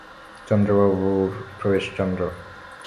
চন্দ্রবাবুর প্রবেশ চন্দ্র।